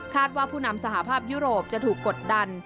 ว่าผู้นำสหภาพยุโรปจะถูกกดดัน